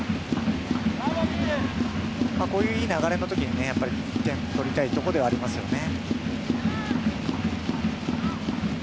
こういう、いい流れの時に１点取りたいところではありますよね。